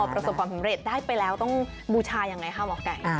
ประสบความสำเร็จได้ไปแล้วต้องบูชายังไงคะหมอไก่